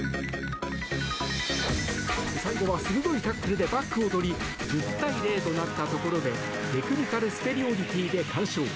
最後は鋭いタックルでバックを取り１０対０となったところでテクニカルスペリオリティーで完勝。